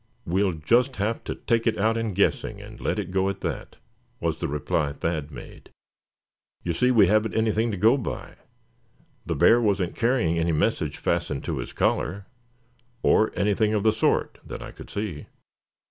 "We'll just have to take it out in guessing, and let it go at that," was the reply Thad made. "You see, we haven't anything to go by. The bear wasn't carrying any message fastened to his collar, or anything of the sort that I could see."